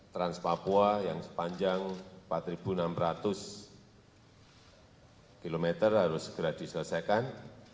trans papua yang sepanjang empat enam ratus km harus segera diselesaikan